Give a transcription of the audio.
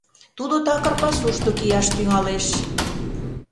Тудо такыр пасушто кияш тӱҥалеш...